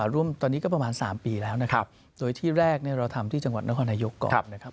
ร่วมตอนนี้ก็ประมาณ๓ปีแล้วนะครับโดยที่แรกเราทำที่จังหวัดนครนายกก่อนนะครับ